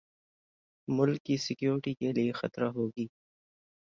ملک کی سیکیورٹی کے لیے خطرہ ہوگی